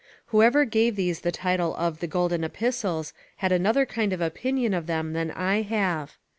Whoever gave these the title of Golden Epistles had another kind of opinion of them than I have.